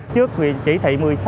trước chỉ thị một mươi sáu